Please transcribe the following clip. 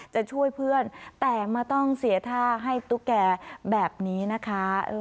จะช่วยเพื่อนแต่มาต้องเสียท่าให้ตุ๊กแก่แบบนี้นะคะ